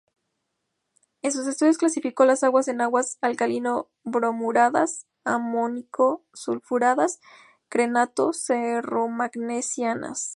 En sus estudios clasificó las aguas en aguas alcalino-bromuradas, amónico-sulfuradas, crenato-ferromagnesianas.